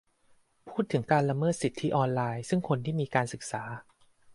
พูดถึงการละเมิดสิทธิออนไลน์ ซึ่งคนที่มีการศึกษา